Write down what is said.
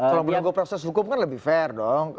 kalau menunggu proses hukum kan lebih fair dong